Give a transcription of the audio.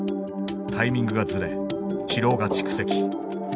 タイミングがズレ疲労が蓄積。